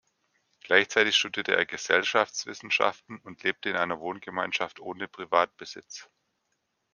Gleichzeitig studierte er Gesellschaftswissenschaften und lebte in einer Wohngemeinschaft ohne Privatbesitz.